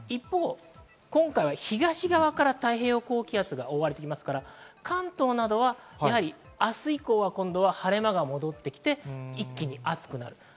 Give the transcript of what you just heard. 今回、東側から太平洋高気圧が覆われてきますから、関東などは明日以降は晴れ間が戻ってきて一気に暑くなります。